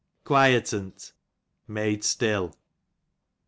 Qaipt'n, made still.